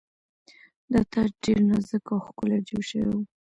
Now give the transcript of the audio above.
دا تاج ډیر نازک او ښکلی جوړ شوی و